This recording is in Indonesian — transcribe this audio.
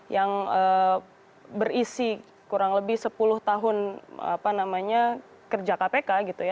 yang berisi kurang lebih sepuluh tahun kerja kpk gitu ya